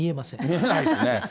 見えないですね。